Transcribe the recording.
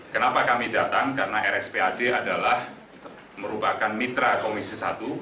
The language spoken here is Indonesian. kenapa kami datang karena rspad adalah merupakan mitra komisi satu